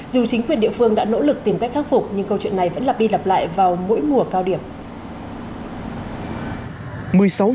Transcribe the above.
dù chính quyền địa phương đã nỗ lực tìm cách khắc phục nhưng câu chuyện này vẫn lặp đi lặp lại vào mỗi mùa cao điểm